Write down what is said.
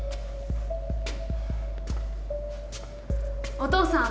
・お父さん。